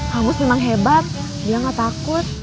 kang mus memang hebat dia gak takut